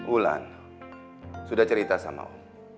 ulan sudah cerita sama'u